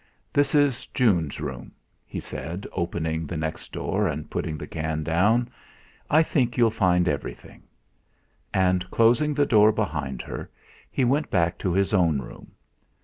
"This is June's room," he said, opening the next door and putting the can down; "I think you'll find everything." And closing the door behind her he went back to his own room.